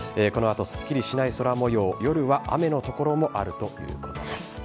このあとはすっきりしない空もよう、夜は雨の所もあるということです。